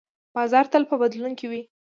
بازار تل په بدلون کې وي.